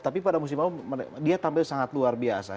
tapi pada musim lalu dia tampil sangat luar biasa